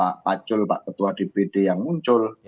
pak pacul pak ketua dpd yang muncul